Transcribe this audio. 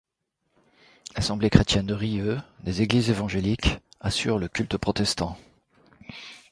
L'Assemblée Chrétienne de Rillieux des Églises évangéliques assure le culte protestant.